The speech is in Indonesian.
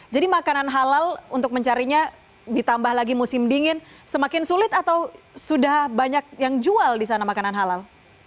jadi makanan halal untuk mencarinya ditambah lagi musim dingin semakin sulit atau sudah banyak yang jual di sana makanan halal